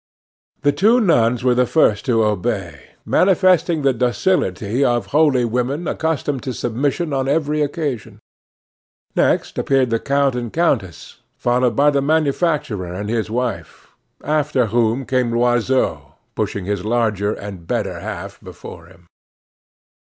The two nuns were the first to obey, manifesting the docility of holy women accustomed to submission on every occasion. Next appeared the count and countess, followed by the manufacturer and his wife, after whom came Loiseau, pushing his larger and better half before him.